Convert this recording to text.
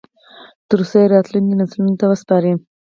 ترڅو یې راتلونکو نسلونو ته وسپاري